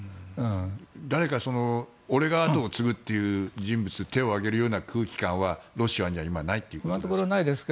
誰か俺が後を継ぐという人物手を上げるような空気感はロシアには今はないということですか？